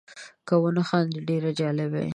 که ونه خاندې ډېر جالب یې .